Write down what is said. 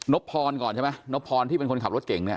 บพรก่อนใช่ไหมนบพรที่เป็นคนขับรถเก่งเนี่ย